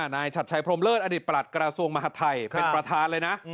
นายชัดชัยพรมเลิศอดีตประหลัดกระทรวงมหาดไทยเป็นประธานเลยนะ